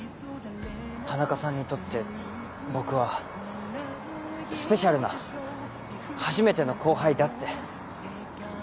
田中さんにとって僕はスペシャルな初めての後輩だって。